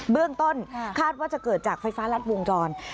เบื้องต้นคาดว่าจะเกิดจากไฟฟ้ารัดวงจร